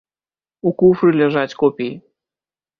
У куфры ляжаць копіі.